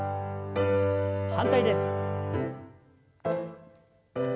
反対です。